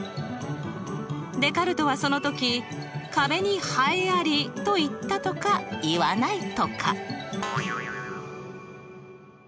デカルトはその時「壁にはえあり」と言ったとか言わないとか。